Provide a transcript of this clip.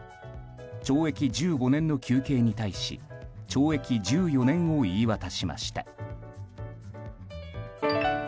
懲役１５年の求刑に対し懲役１４年を言い渡しました。